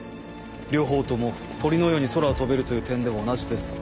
両方とも鳥のように空を飛べるという点では同じです。